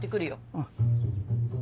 うん。